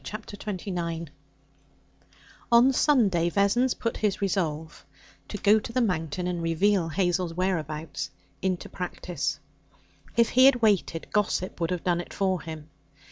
Chapter 29 On Sunday Vessons put his resolve to go to the Mountain and reveal Hazel's whereabouts into practice. If he had waited, gossip would have done it for him.